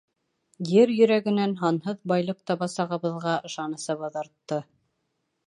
Ер йөрәгенән һанһыҙ байлыҡ таба-сағыбыҙға ышанысыбыҙ артты.